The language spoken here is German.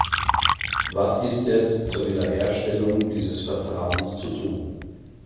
Was ist jetzt zur Wiederherstellung dieses Vertrauens zu tun?